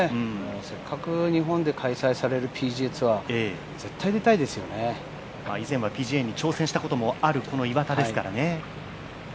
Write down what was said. せっかく日本で開催されるＰＧツアー以前はＰＧＡに挑戦したことのあるというこの岩田ですからね